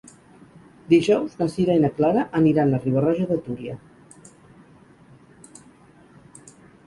Dijous na Sira i na Clara aniran a Riba-roja de Túria.